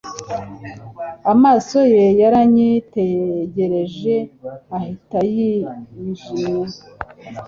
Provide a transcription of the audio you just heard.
Amaso ye yaranyitegereje ahita yijimye